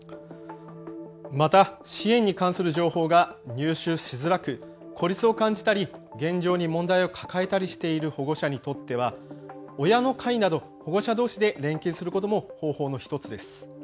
また、支援に関する情報が入手しづらく孤立を感じたり現状に問題を抱えたりしている保護者にとっては親の会など保護者どうしで連携することも方法の１つです。